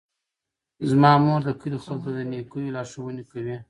زما مور د کلي خلکو ته د نیکیو لارښوونې کوي.